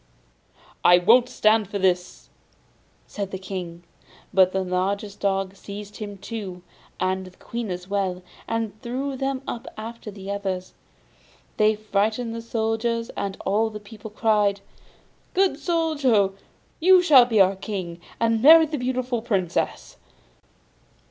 'I won't stand this!' said the King; but the largest dog seized him too, and the Queen as well, and threw them up after the others. This frightened the soldiers, and all the people cried: 'Good Soldier, you shall be our King, and marry the beautiful Princess!